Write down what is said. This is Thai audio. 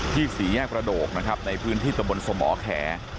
สี่แยกประโดกนะครับในพื้นที่ตะบนสมแข